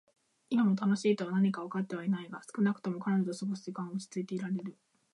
今も「楽しい」とは何かはわかってはいないが、少なくとも彼女と過ごす時間は落ち着いていられる。